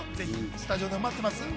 スタジオで待ってます。